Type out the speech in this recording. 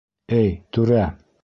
Эй, түрә!